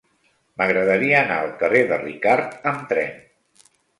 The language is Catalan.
M'agradaria anar al carrer de Ricart amb tren.